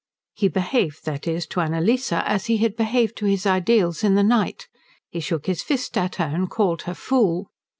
He behaved, that is, to Annalise, as he had behaved to his ideals in the night; he shook his fist at her, and called her fool.